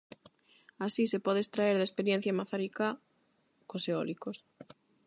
Así se pode extraer da experiencia mazaricá cos eólicos.